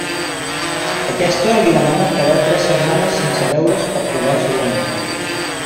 Aquesta li demana quedar tres setmanes sense veure's per provar el seu amor.